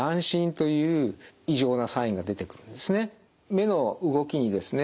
目の動きにですね